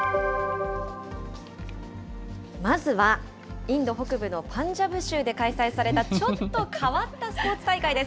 まずはインド北部のパンジャブ州で開催された、ちょっと変わったスポーツ大会です。